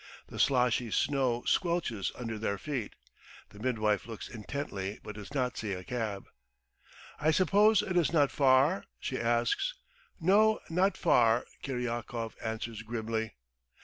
The sloshy snow squelches under their feet. The midwife looks intently but does not see a cab. "I suppose it is not far?" she asks. "No, not far," Kiryakov answers grimly.